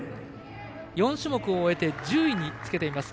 ４種目を終えて１０位につけています